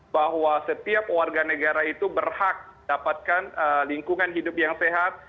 bahwa setiap warga negara itu berhak dapatkan lingkungan hidup yang sehat